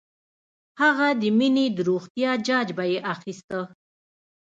هغه د مينې د روغتيا جاج به یې اخيسته